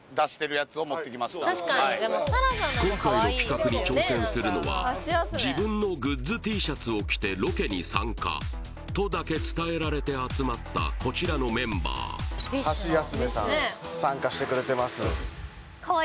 今回の企画に挑戦するのは自分のグッズＴシャツを着てロケに参加とだけ伝えられて集まったこちらのメンバーハシヤスメさん参加してくれてます